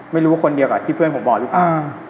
ไม่รู้ว่าคนเดียวกับที่เพื่อนผมบอกทุกครั้ง